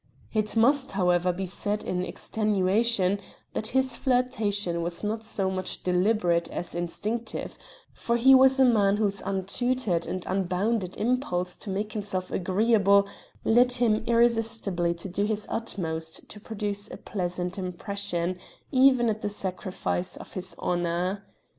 It must, however, be said in extenuation, that this flirtation was not so much deliberate as instinctive, for he was a man whose untutored and unbounded impulse to make himself agreeable led him irresistibly to do his utmost to produce a pleasant impression, even at the sacrifice of his honor.